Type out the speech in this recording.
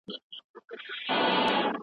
دا خبره نړیوالو سیالیو ثابته کړې ده.